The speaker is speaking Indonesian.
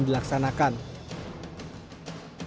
ketua umum pssi dilaksanakan